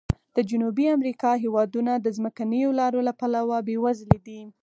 د جنوبي امریکا هېوادونه د ځمکنیو لارو له پلوه بې وزلي دي.